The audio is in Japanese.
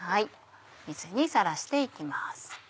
水にさらして行きます。